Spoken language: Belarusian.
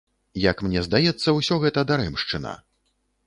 Як мне здаецца, усё гэта дарэмшчына.